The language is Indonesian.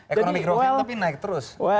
ekonomi global tapi naik terus